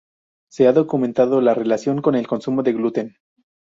Se ha documentado la relación con el consumo de gluten.